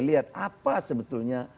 lihat apa sebetulnya